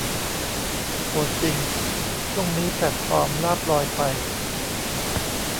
โหดจริง ช่วงนี้แพลตฟอร์มลาภลอยไป